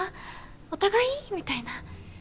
お互い？みたいな。